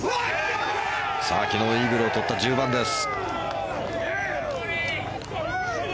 昨日イーグルを取った１０番です。